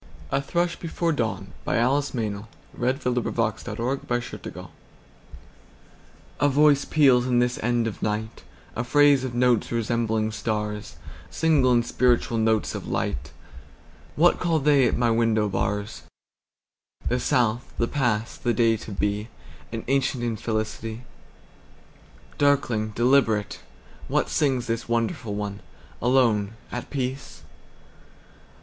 Modern British Poetry. 1920. Alice Meynell1847–1922 A Thrush before Dawn A VOICE peals in this end of nightA phrase of notes resembling stars, Single and spiritual notes of light. What call they at my window bars? The South, the past, the day to be, An ancient infelicity. Darkling, deliberate, what singsThis wonderful one, alone, at peace?